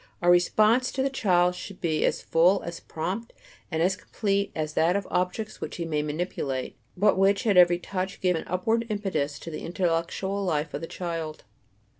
Our "response" to the child should be as full, as prompt and as complete as that of the objects which he may manipulate, but which at every touch give an upward impetus to the intellectual life of the child.